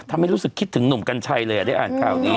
ทำให้รู้สึกคิดถึงหนุ่มกัญชัยเลยได้อ่านข่าวนี้